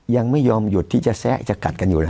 ยังไม่ยอมหยุดที่จะแซะจะกัดกันอยู่เลย